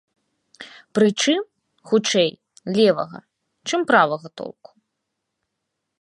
Прычым, хутчэй, левага, чым правага толку.